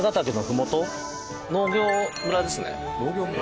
農業村ですね。